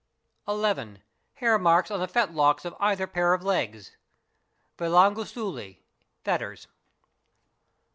11. Hairmarks on the fetlocks of either pair of legs, (vilangu suli—fetters).